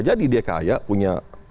jadi dia kaya punya